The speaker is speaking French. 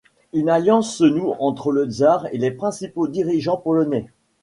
Une alliance se noue entre le tsar et les principaux dirigeants polonais.